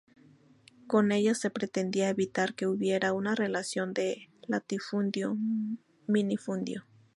Con ella se pretendía evitar que hubiera una relación de latifundio-minifundio.